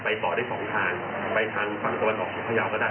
ไปต่อได้สองทางไปทางฟั่งตระวันออกของพระเยาคะได้